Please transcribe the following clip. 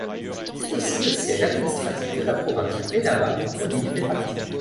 C’est aussi le siège administratif de la province de Pénama dont l’île fait partie.